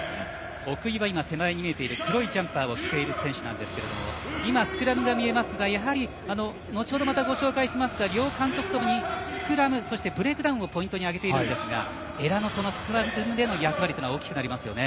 奥井は黒いジャンパーを着ている選手ですが今、スクラムが見えましたが後程またご紹介しますが両監督友にスクラムブレイクダウンをポイントに挙げているんですが江良のスクラムでの役割が大きくなりますよね。